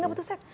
gak butuh seks